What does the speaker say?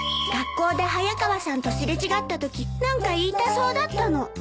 学校で早川さんと擦れ違ったとき何か言いたそうだったの。